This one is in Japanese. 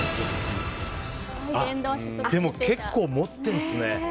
結構、持ってるんですね。